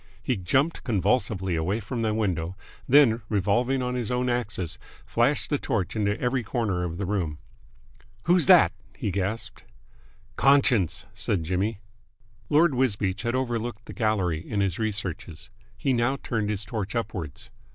He jumped convulsively away from the window, then, revolving on his own axis, flashed the torch into every corner of the room. "Who's that?" he gasped. "Conscience!" said Jimmy. Lord Wisbeach had overlooked the gallery in his researches. He now turned his torch upwards.